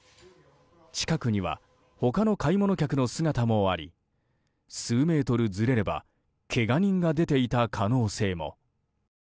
近くには他の買い物客の姿もあり数メートルずれればけが人が出ていた可能性も。